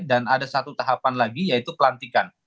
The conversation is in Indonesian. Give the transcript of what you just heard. dan ada satu tahapan lagi yaitu pelantikan